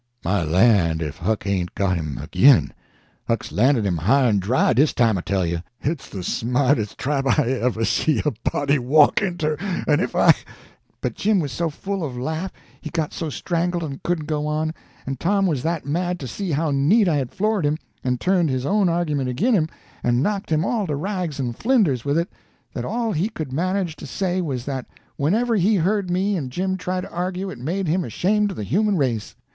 _" "My lan', ef Huck ain't got him ag'in! Huck's landed him high en dry dis time, I tell you! Hit's de smartes' trap I ever see a body walk inter—en ef I—" But Jim was so full of laugh he got to strangling and couldn't go on, and Tom was that mad to see how neat I had floored him, and turned his own argument ag'in him and knocked him all to rags and flinders with it, that all he could manage to say was that whenever he heard me and Jim try to argue it made him ashamed of the human race.